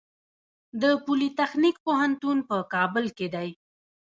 د پولي تخنیک پوهنتون په کابل کې دی